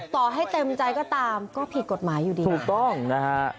ต่อให้เต็มใจก็ตามก็ผิดกฎหมายอยู่ดีถูกต้องนะฮะ